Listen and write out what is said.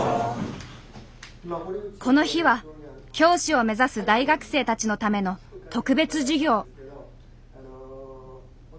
この日は教師を目指す大学生たちのための特別授業。